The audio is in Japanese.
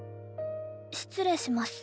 失礼します。